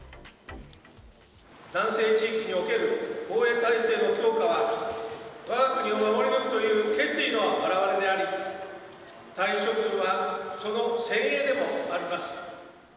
南西地域における防衛体制の強化は、わが国を守り抜くという決意の表れであり、隊員諸君はその精鋭でもあります。